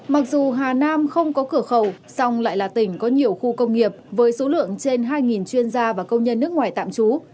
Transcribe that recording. mặc dù hà nam không có cửa khẩu song lại là tỉnh có nhiều khu công nghiệp với số lượng trên hai chuyên gia và công nhân nước ngoài tạm trú